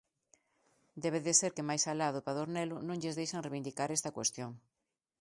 Debe de ser que máis alá do Padornelo non lles deixan reivindicar esta cuestión.